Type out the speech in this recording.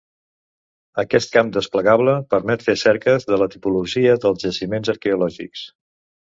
Aquest camp desplegable permet fer cerques de la tipologia dels jaciments arqueològics.